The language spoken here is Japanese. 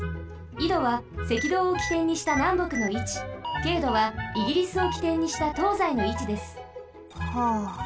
緯度はせきどうをきてんにしたなんぼくのいち経度はイギリスをきてんにしたとうざいのいちです。はあ。